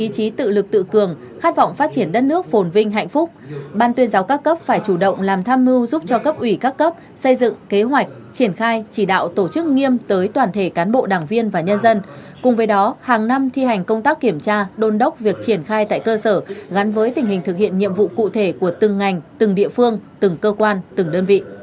chủ động làm tham mưu giúp cho cấp ủy các cấp xây dựng kế hoạch triển khai chỉ đạo tổ chức nghiêm tới toàn thể cán bộ đảng viên và nhân dân cùng với đó hàng năm thi hành công tác kiểm tra đôn đốc việc triển khai tại cơ sở gắn với tình hình thực hiện nhiệm vụ cụ thể của từng ngành từng địa phương từng cơ quan từng đơn vị